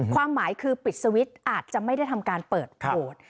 ความหมายคือปิดสวิตช์อาจจะไม่ได้ทำการเปิดโหวต